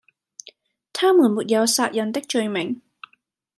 他們沒有殺人的罪名，